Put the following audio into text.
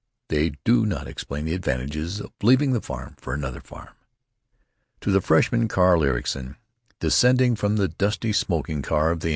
They do not explain the advantages of leaving the farm for another farm. To the freshman, Carl Ericson, descending from the dusty smoking car of the M.